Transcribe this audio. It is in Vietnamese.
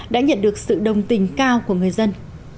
đã nhận được sự đồng tình cao của người dân